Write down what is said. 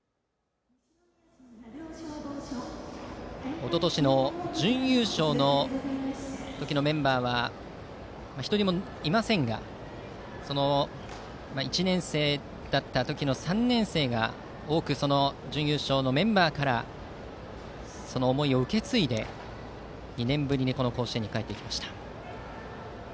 おととしの準優勝の時のメンバーは１人もいませんが１年生だった時の３年生が多く、準優勝のメンバーからその思いを受け継いで２年ぶりに甲子園に帰ってきました。